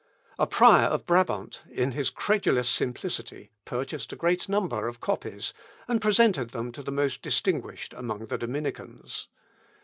A prior of Brabant, in his credulous simplicity, purchased a great number of copies, and presented them to the most distinguished among the Dominicans.